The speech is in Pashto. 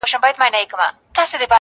له جاپان تر اروپا مي تجارت دی -